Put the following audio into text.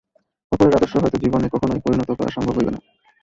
অপরের আদর্শ হয়তো জীবনে কখনই পরিণত করা সম্ভব হইবে না।